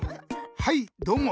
はいどうも。